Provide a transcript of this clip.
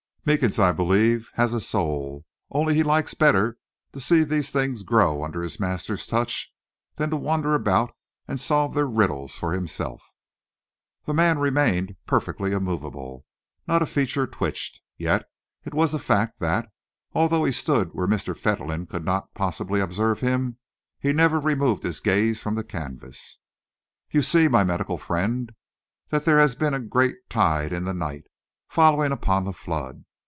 Meekins, I believe, has a soul, only he likes better to see these things grow under his master's touch than to wander about and solve their riddles for himself." The man remained perfectly immovable. Not a feature twitched. Yet it was a fact that, although he stood where Mr. Fentolin could not possibly observe him, he never removed his gaze from the canvas. "You see, my medical friend, that there has been a great tide in the night, following upon the flood?